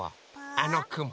あのくも。